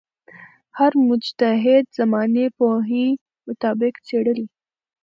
هر مجتهد زمانې پوهې مطابق څېړلې.